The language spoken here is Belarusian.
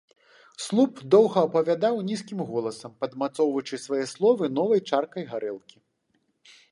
Слуп доўга апавядаў нізкім голасам, падмацоўваючы свае словы новай чаркай гарэлкі.